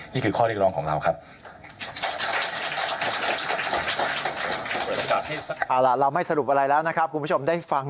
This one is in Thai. นี่คือข้อเรียกร้องของเราครับ